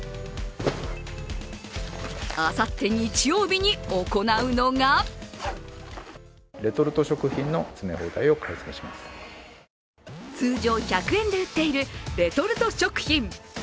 あさって日曜日に行うのが通常１００円で売っているレトルト食品。